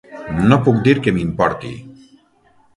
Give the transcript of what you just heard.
No puc dir que m"importi.